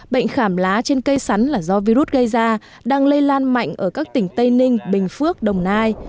bệnh khảm lá trên cây sắn là do virus gây ra đang lây lan mạnh ở các tỉnh tây ninh bình phước đồng nai